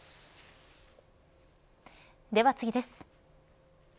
では次です。